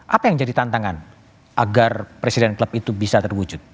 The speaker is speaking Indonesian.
apa yang jadi tantangan agar presiden klub itu bisa terwujud